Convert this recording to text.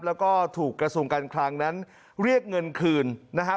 แล้วก็ถูกกระทรวงการคลังนั้นเรียกเงินคืนนะครับ